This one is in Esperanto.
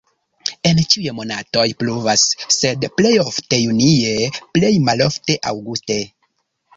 En ĉiuj monatoj pluvas, sed plej ofte junie, plej malofte aŭguste.